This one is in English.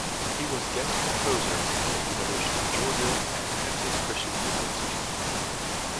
He was Guest Composer at the University of Georgia and Texas Christian University.